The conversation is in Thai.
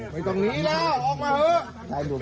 ไม่ต้องหนีแล้วออกมาเถอะ